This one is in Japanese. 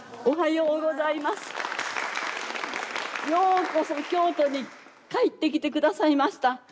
ようこそ京都に帰ってきて下さいました。